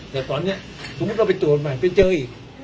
แต่ตอนนี้สมมุติเราไปตรวจใหม่ไปเจออีก